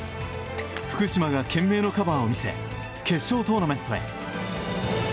福島が懸命のカバーを見せ決勝トーナメントへ。